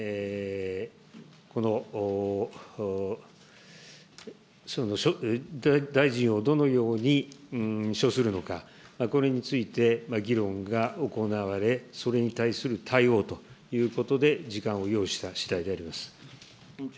国会の審議を円滑に進めるために、この大臣の、大臣をどのように処するのか、これについて議論が行われ、それに対する対応ということで、時間を要した次第であります。